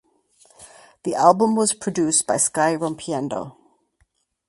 The album was produced by Sky Rompiendo.